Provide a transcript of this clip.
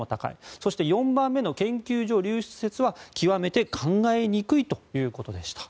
そして４番目の研究所流出説は考えにくいということでした。